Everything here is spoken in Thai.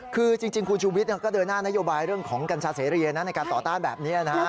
คือจริงคุณชูวิทย์ก็เดินหน้านโยบายเรื่องของกัญชาเสรีในการต่อต้านแบบนี้นะฮะ